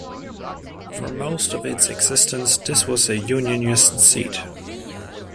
For most of its existence, this was a Unionist seat.